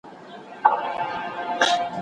ساینس پوهنځۍ په چټکۍ نه ارزول کیږي.